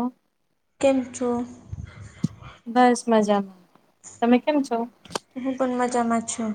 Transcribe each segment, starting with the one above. ઓ કેમ છો. બસ મજામાં. તમે કેમ છો હું પણ મજામાં છું.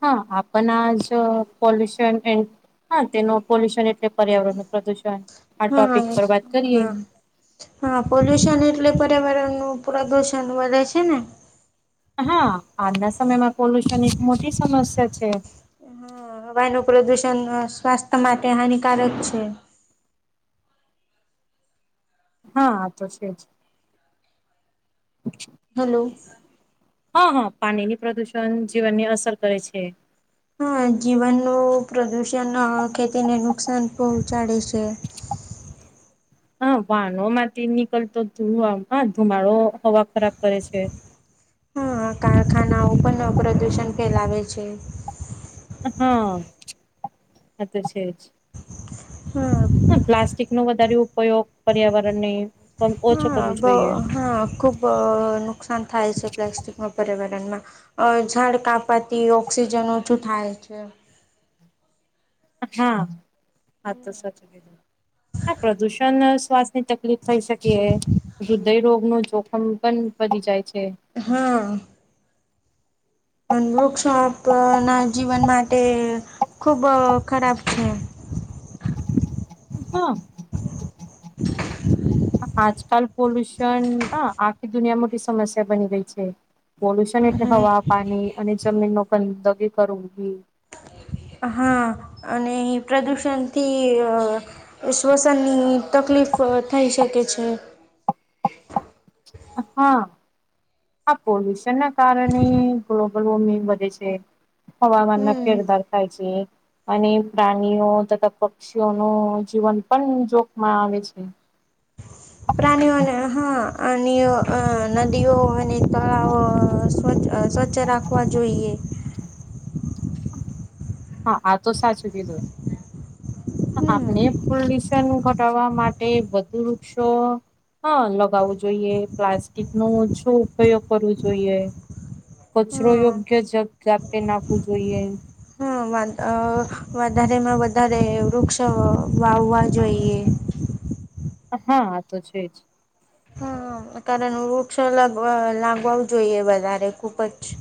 હા આપણ જો પોલ્યુશન એ હા તેનું પોલ્યુશન એટલે પર્યાવરણ પ્રદુષણ આ હા ટોપિક પર વાત કરીએ. હા હા પોલ્યુશન એટલે પર્યાવરણ નું પ્રદુષણ વધે છે ને. હા આજના સમયમાં પોલ્યુશન એક મોટી સમસ્યા છે. હા વાયુ નુ પ્રદુષણ સ્વાસ્થ્ય માટે હાનિકારક છે. હા આ તો છે જ. હલો. હા હા પાણીની પ્રદુષણ જીવનની અસર કરે છે. હા જીવનનું પ્રદુષણ આ ખેતીને નુકસાન પહોંચાડે છે. હા વાહનો માંથી નીકળતો હ ધુમાડો હવા ખરાબ કરે છે. હા હા કારખાના પણ નો પ્રદૂષણ ફેલાવે છે. હા એ તો છે જ. હા. હ પ્લાસ્ટિક નો વધારે ઉપયોગ પર્યાવરણની હા બ હા ખૂબ નુકસાન થાય છે પ્લાસ્ટિકમાં પર્યાવરણમાં અ ઝાડ કાપવાથી ઓક્સિજન ઓછું થાય છે. હા, વાત તો સાચી છે આ પ્રદૂષણ સ્વાસ્થ્ય ને તકલીફ થઈ શકી હૃદય રોગ નું જોખમ પણ વધી જાય છે. હા. પણ વૃક્ષોપ ના જીવન માટે ખુબ ખરાબ છે. હા. આજકાલ પોલ્યુશન આખી દુનિયા મોટી સમસ્યા બની ગઈ છે. પોલ્યુશન એટલે હવા પાણી અને જમીન નો ગંદગી કરવી. હા અને પ્રદુષણથી શ્વસનની તકલીફ થઈ શકે છે. હા. હા પોલ્યુશન ના કારણે ગ્લોબલ વોર્મિંગ વધે છે. હવામાનના હમ ફેરફાર થાય છે. અને પ્રાણીઓ તથા પક્ષીઓ નો જીવન પણ જોખમાં આવે છે. પ્રાણીઓના હા પાણીય આ નદીઓ અને તળાવ સ્વચછ સ્વચ્છ રાખ હોવા જોઈએ. હા આ તો સાચું કીધું. આપને હમ પોલ્યુશન ઘટાવા માટે વધુ વૃક્ષો. હા લગાવવું જોઈએ પ્લાસ્ટિકનો ઓછો ઉપયોગ કરવો જોઈએ. કચરો હા યોગ્ય જગા પે નાખવું જોઈએ. હ વધ અ વધારેમાં વધારે વૃક્ષો વાવવા જોઈએ. હા હા આ તો છે જ. હા કારણ વૃક્ષો લગ લાગવું જોઈએ વધારે ખુબ જ.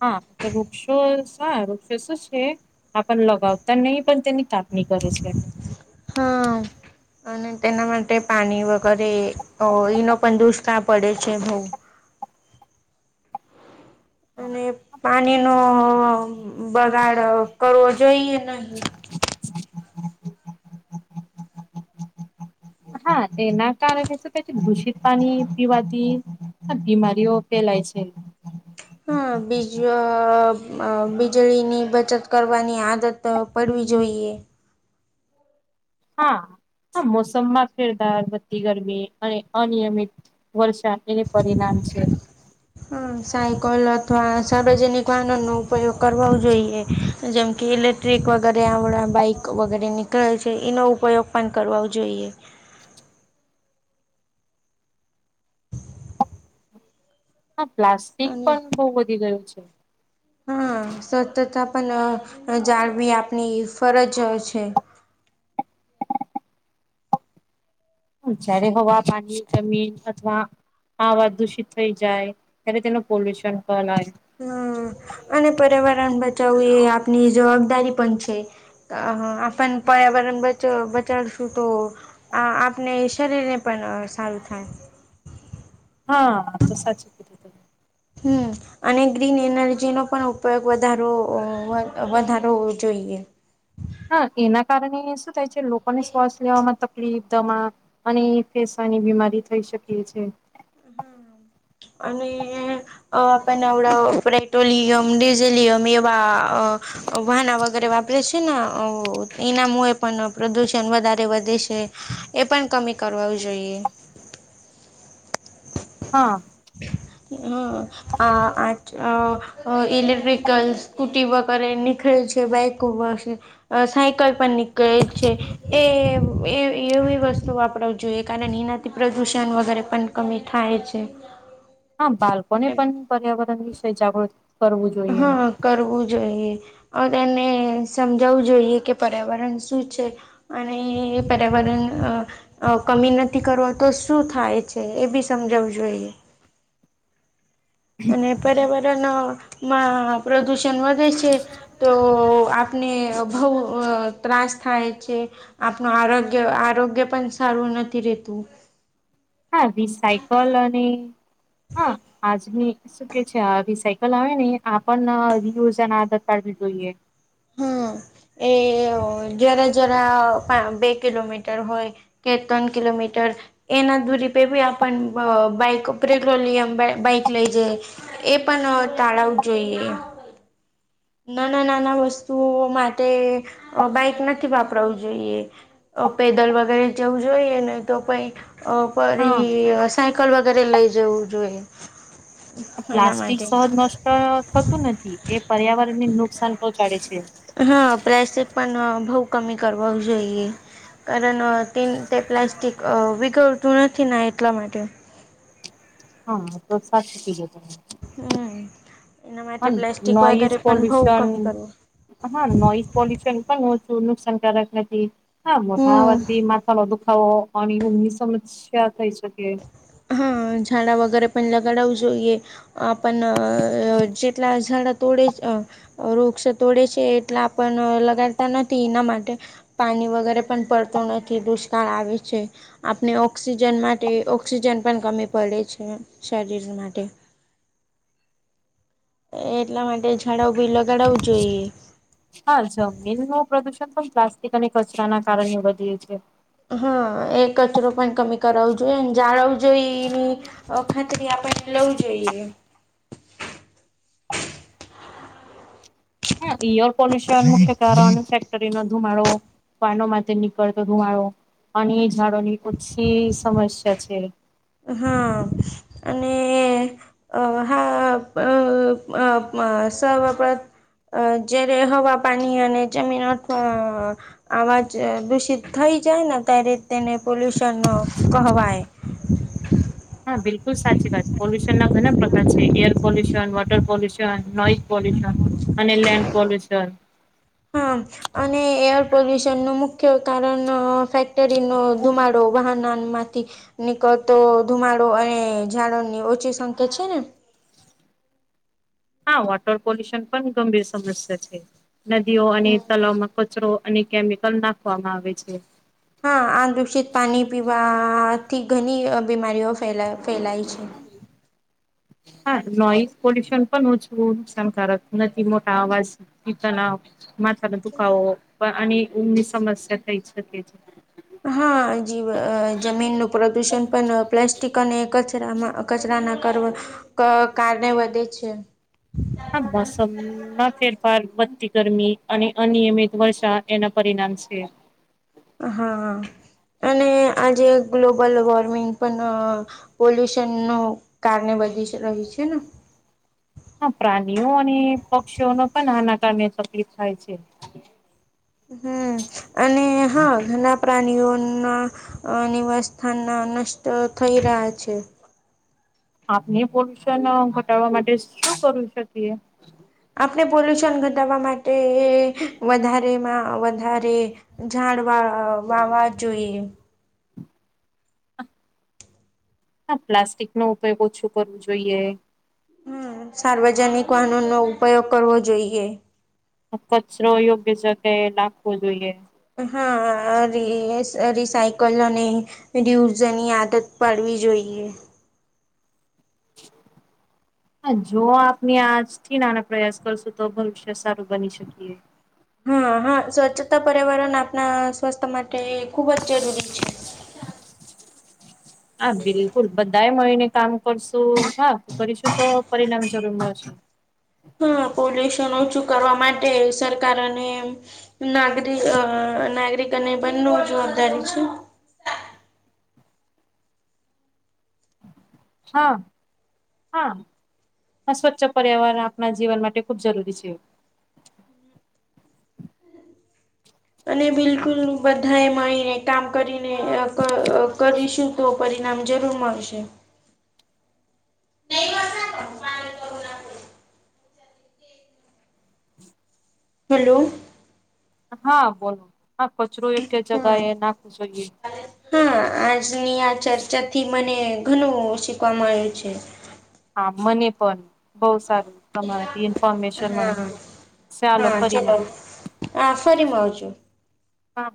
હા તો વૃક્ષો શા વૃક્ષો શું છે. આપણ લગાવતા નહીં પણ તેની કાપણી કરે છે. હા. અને તેના માટે પાણી વગેરે એનો પણ દુષ્કાળ પડે છે બઉ. અને પાણીનો બગાડ કરવો જોઈએ નહી. હા તેના કારણે તો પ દૂષિત પાણી પીવાતી બીમારીઓ ફેલાય છે. હા બીજ વીજળીની બચત કરવાની આદત તો પડવી જોઈએ. હા હા મોસમમાં ફેરદાર વધતી ગરમી અને અનિયમિત. વર્ષા એને પરિણામ છે. હ સાયકલ અથવા સાર્વજનિક વાહનો નો ઉપયોગ કરાવવું જોઈએ. જેમ કે ઇલેક્ટ્રિક વગેરે આપણાં બાઈક વગેરે નીકળે છે એનો ઉપયોગ પણ કરવાવું જોઈએ. હા પ્લાસ્ટિક અને પણ બહુ વધી ગયું છે. હા સ્વચ્છતા પણ જાળવી આપણી ફરજ છે. જય્યારે હવા, પાણી, જમીન અથવા. હાવા દૂષિત થઈ જાય ત્યારે તેનું પોલ્યુશન બનાય. હ અને પર્યાવરણ બચાવવું એ આપની જવાબદારી પણ છે. અ આપણ પર્યાવરણ બચ બચાડશું તો. આ આપણે શરીરને પણ સારું થાય. હા આ તો સાચી કીધું. તમે. હમ્મ. અને ગ્રીન એનર્જીનો પણ ઉપયોગ વધારો વધારોવો જોઈએ. હા એના કારણે શું થાય છે લોકોને શ્વાસ લેવામાં તક તકલીફ, દમા અને ફેસાની બીમારી થઈ શકે છે. હમ્મ અને. અ એવડ પેટ્રોલિયમ ડીઝેલિયમ એવા અ વાહના વગેરે વાપરે છે ને એના મએ પણ પ્રદૂષણ વધારે વધે છે. એ પણ કમી કરવાવું જોઈએ. હા. હ આ આજ અ. અ ઇલેક્ટ્રિકલ સ્કૂટી વગેરે નીખળે છે બાઇક, ઉબર છે. અ સાયકલ પણ નીકળેલી છે એ એવી વસ્તુ વાપરવી જોઈએ કારણ એના. તે પ્રદૂષણ વગેરે પણ કમી થાય છે. હા બાળકોને એટલે પણ પર્યાવરણ વિશે જાગૃત કરવું જોઈએ. હા. કરવું જોઈએ તેને સમજાવવું જોઈએ કે પર્યાવરણ શું છે. અને એ પર્યાવરણ અ અ કમી નથી કરો તો શું થાય છે એ બી સમજાવું જોઈએ. અને પર્યાવરણમાં પ્રદુષણ વધે છે. તો આપને ભહ ત્રાસ થાય છે. આપણું આરોગ્ય આરોગ્ય પણ સારું નથી રેતું. હા વી સાઇકોલોની હા આજની શું કે છે રી સાયકલ આવે ને [inaudible] આધાર કાર્ડ જોઈએ. હમ. [inaudible] એ જ્યારે જરા બે કિલોમીટર હોય કે ત્રણ કિલોમીટર એના દૂરી પે બી આપ બાઈક પેટ્રોલિયમ બાઈક લઈ જઈ એ પણ ટાળાવું જોઈએ. નાના-નાના વસ્તુઓ માટે બાઈક નથી વાપરવું જોઈએ. પેદલ વગેરે જવું જોઈએ નહ તો કઈ અ હા પરી સાયકલ વગેરે લઈ જવું જોઈએ એના પ્લાસ્ટિક માટે. સહજ નષ્ટ થતું નથી એ પર્યાવરણ ને નુકસાન પહોંચાડે છે. હા પ્રાસેક પણ બહુ કમી કરવા જોઈએ કારણ તે તે પ્લાસ્ટિક વિગળતું નથી ના એટલા માટે. હા તો સાચી. [inaudible] હમ એના માટે પ્લાસ્ટિક નોઈઝ વગેરે પણ બઉ પોલ્યુશન કમી કરવું. હા નોઈસ પોલ્યુશન પણ ઓછું નુકસાનકારક નથી. હા મોટા હમ હવાથી માથા ન દુખાવો અને ઊમની સમસ્યા થઈ શકે. હા ઝાડા વગેરે પણ લગાડાવું જોઈએ. આપણ જેટલા ઝડા તોડે વૃક્ષ તોડે છે એટલે આપણ લગાડતા નથી એના માટે પાણી વગેરે પણ પડતો નથી દુષ્કાળ આવે છે. આપણે ઓક્સિજન માટે ઓક્સિજન પણ કમી પડે છે શરીર માટે. એટલા માટે ઝાડા બી લગાડાવું જોઈએ. હા જમીનનું પ્રદુષણ પણ પ્લાસ્ટિક અને કચરાના કારણે વધ્યું છે. હા એ કચરો પણ કમી કરાવો જોઈએ જાળવું જોઈએ ખાતરી આપણને લવું જોઈએ. હં ઑર પોલી્યુશન મુખ્યકાર શરી નો ધુમાડો, પાનો માટે નીકળતો ધુમાડો અને ઝાડો ની ઓછી સમસ્યા છે. હા અને અ હા અ [inaudible] અ જય્યારે હવા, પાણી અને જમીન અથવા આવાજ દૂષિત થઈ જાય ને ત્યારે તેને પોલ્યુશન નો કહેવાય. હા બિલકુલ સાચી વાત પોલ્યુશન ના ઘણા પ્રકાર છે air pollution, water pollution, noise pollution અને લેન્ડ પોલ્યુશન. હા અને એર પોલ્યુશન નું મુખ્ય કારણ ફેક્ટરી નો ધુમાડ ડો વાહના માંથી. નીકળતો ધુમાડો અને ઝડો ની ઓછી સંખ્યા છે ને. હા વોટર પોલ્યુશન પણ ગંભીર સમસ્યા છે. નદીઓ અને હમ તલાવમાં કચરો અને કેમિકલ નાખવામાં આવે છે. હા આ દુષિત પાણી પીવાથી ઘણી બીમારીઓે ફેલાય ફેલાઈ છે. હમ. હા નોઈઝ પોલ્યુશન પણ ઉછવું નુકસાનકારક નથી મોટા આવાજ પિતાના માથાનો દુખાવો પણ આની ઊંમની સમસ્યા થઈ શકે છે. હાજી જમીનનું પ્રદુષણ પણ પ્લાસ્ટિક અને કચરામાં કચરા ના કર કારણે વધે છે. હા મોસમ માં ફેરફાર, વધતી ગરમી અને અનિયમિત વર્ષા એના પરિણામ છે. હા અને આજે ગ્લોબલ વોર્મિંગ પણ પોલ્યુશન નું કારણે વધી રહ્યું છે ને? હા પ્રાનીઓ અને પક્ષીઓ નો પન આના કાને તકલીફ થાય છે. હમ અને હા ઘણા પ્રાણીઓના અ નિવાસસ્થાના નસ્ટ થઈ રહ્યા છે. આપને પોલ્યુશન ઘટાડવા માટે શું કરું શકીએ? આપને પોલ્યુશન ઘટાવા માટે વધારેમાં વધારે ઝાડવા વાવા જોઈએ. ના પ્લાસ્ટિક નો ઉપયોગ ઓછું કરવો જોઈએ. હમ્મ, સાર્વજનિક વાહનો નો ઉપયોગ કરવો જોઈએ. કચરો યોગ્ય જકે એ નાખવો જોઈએ. હા રિઈઈ રિસાઇકલો ની ઈડી ઉર્જા ની આદત પાડવી જોઈએ. હ જો આપને આજ થી નાના પ્રયાસ કરસું, તો ભવિષ્ય સારુ બની શકીએ. હા હા સ્વચ્છતા પર્યાવરણ આપના સ્વસ્થ્ય માટે ખુબ જ જરૂરી છે. હા બિલકુલ બધાએ મળીને કામ કરશું હા કરીશું, તો પરિણામ જરૂર મળશે. હા પોલ્યુસન ઓછું કરવા માટે સરકાર અને નાગરિક અ નાગરિક અને બંનુ જવાબદારી છે. હા હા હ સ્વચ્છ પર્યાવરણ આપણા જીવન માટે ખૂબ જરૂરી છે. અને બિલકુલ બધાએ મળીને કામ કરીને અક અક કરીશું. તો પરિણામ જરૂર મળશે. હલો. હા બોલો, હા કચરો યોગ હા જગા એ નાખ જોઈએ. હા, આજની આ ચર્ચા થી મને ઘનું સીખવા મળ્યુ છે. હા મને પન, બઉ સારુ. તમારી ઇન્ફમેશન મળી, હા ચાલો ફરી મ આ ફરી મવઉ જુ. હા.